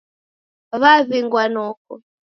Waw'ingwa noko